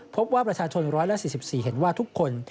พบว่าประชาชน๑๔๔เห็นว่าทุกคน